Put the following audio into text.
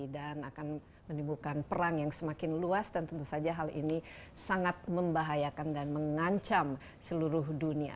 dan akan menimbulkan perang yang semakin luas dan tentu saja hal ini sangat membahayakan dan mengancam seluruh dunia